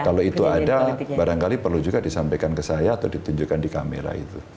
kalau itu ada barangkali perlu juga disampaikan ke saya atau ditunjukkan di kamera itu